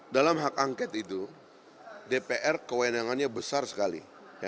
dalam hak angket itu dpr kewenangannya besar sekali